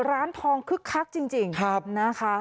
ร้านทองคึกคักจริงนะคะ